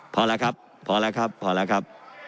พอแล้วครับพอแล้วครับพอแล้วครับ